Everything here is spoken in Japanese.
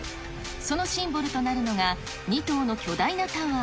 そのシンボルとなるのが、２棟の巨大なタワー。